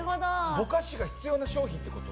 ぼかしが必要な商品ってこと？